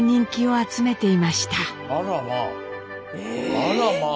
あらまあ。